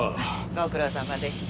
ご苦労さまでした。